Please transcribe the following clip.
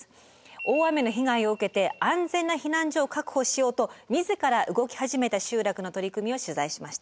大雨の被害を受けて安全な避難所を確保しようと自ら動き始めた集落の取り組みを取材しました。